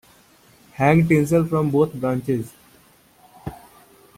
Hang tinsel from both branches.